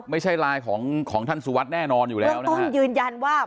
ไม่ใช่ไลน์ของของท่านสุวัสดิแน่นอนอยู่แล้วนะครับท่านยืนยันว่า